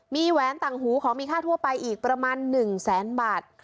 มีแหวนต่างหูของมีค่าทั่วไปอีกประมาณ๑แสนบาท